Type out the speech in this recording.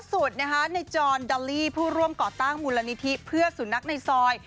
สุดนะคะในจอนดอลลี่ผู้ร่วมก่อตั้งมูลนิธิเพื่อสุนัขในซอย